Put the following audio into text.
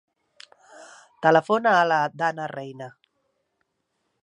Telefona a la Danna Reina.